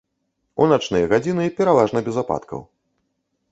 У начныя гадзіны пераважна без ападкаў.